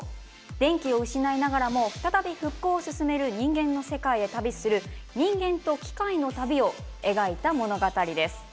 電気を失いながらも再び復興を進める人間の世界へ旅する人間と機械を描いた物語です。